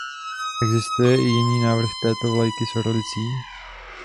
Existuje i jiný návrh této vlajky s orlicí.